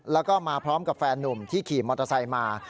แล้วก็มาพร้อมกับแฟนนุ่มที่ขี่มอเตอร์ไซค์มา